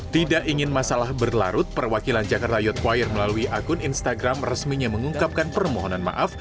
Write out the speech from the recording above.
tidak ingin masalah berlarut perwakilan jakarta youth choir melalui akun instagram resminya mengungkapkan permohonan maaf